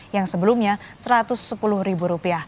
yang sebelumnya rp satu ratus sepuluh